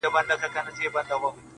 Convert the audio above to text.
ستا نصیحت مي له کرداره سره نه جوړیږي -